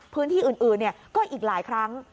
พื้นที่อื่นก็อีกหลายครั้ง